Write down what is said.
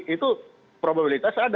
itu probabilitas ada